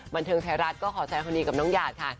บันเทิงไทยรัฐก็ขอแสงความดีกับน้องหยาดค่ะ